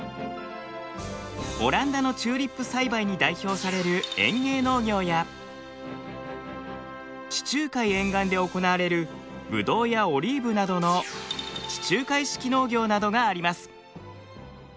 オランダのチューリップ栽培に代表される園芸農業や地中海沿岸で行われるブドウやオリーブなどの地中海式農業などがあります。